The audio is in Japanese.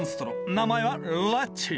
名前はレッチー。